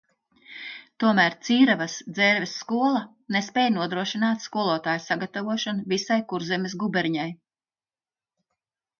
Tomēr Cīravas – Dzērves skola nespēja nodrošināt skolotāju sagatavošanu visai Kurzemes guberņai.